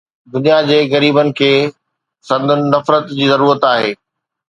دنيا جي غريبن کي سندن نفرت جي ضرورت آهي